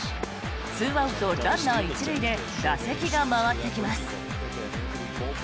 ２アウト、ランナー１塁で打席が回ってきます。